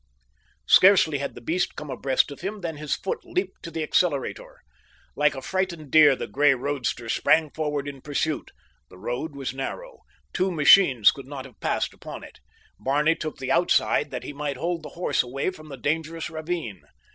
Scarcely had the beast come abreast of him than his foot leaped to the accelerator. Like a frightened deer the gray roadster sprang forward in pursuit. The road was narrow. Two machines could not have passed upon it. Barney took the outside that he might hold the horse away from the dangerous ravine.